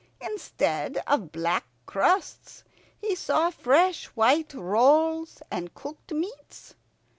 Instead of black crusts he saw fresh white rolls and cooked meats.